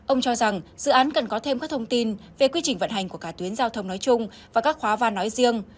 ông cho rằng dự án cần có thêm các thông tin về quy trình vận hành của cả tuyến giao thông nói chung và các khóa van nói riêng